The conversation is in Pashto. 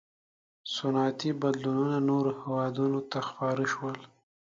• صنعتي بدلونونه نورو هېوادونو ته خپاره شول.